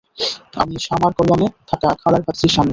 আমি শামার কল্যাণে থাকা খালার ভাতিজির স্বামী।